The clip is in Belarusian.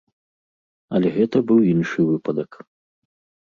Але гэта быў іншы выпадак.